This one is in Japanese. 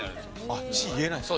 あっ「チ」言えないんですか。